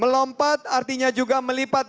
lompat artinya juga melipat